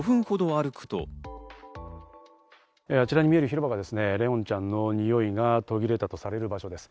あちらに見える広場が怜音ちゃんのにおいが途切れたとされる場所です。